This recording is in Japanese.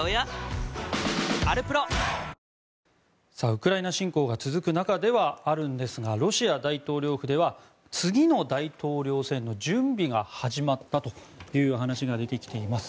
ウクライナ侵攻が続く中ではあるんですがロシア大統領府では次の大統領選挙の準備が始まったという話が出てきています。